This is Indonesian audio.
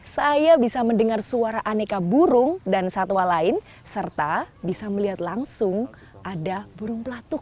saya bisa mendengar suara aneka burung dan satwa lain serta bisa melihat langsung ada burung pelatuk